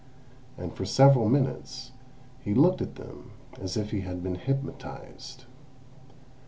And for several minutes he looked at them as if he had been hypnotised.